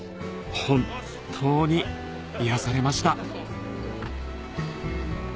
本当に癒されました